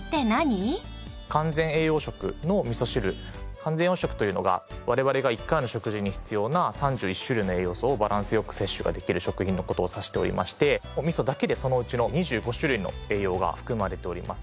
完全栄養食というのが我々が１回の食事に必要な３１種類の栄養素をバランス良く摂取ができる食品の事を指しておりましてお味噌だけでそのうちの２５種類の栄養が含まれております。